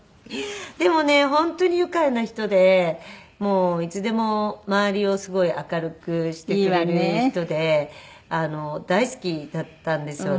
本当に愉快な人でもういつでも周りをすごい明るくしてくれる人で大好きだったんですよ